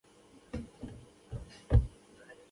آیا د غنمو اصلاح شوی تخم ویشل کیږي؟